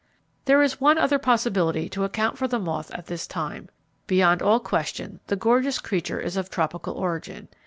There is one other possibility to account for the moth at this time. Beyond all question the gorgeous creature is of tropical origin.